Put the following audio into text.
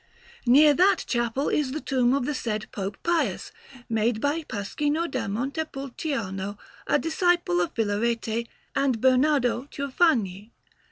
Near that chapel is the tomb of the said Pope Pius, made by Pasquino da Montepulciano, a disciple of Filarete, and Bernardo Ciuffagni.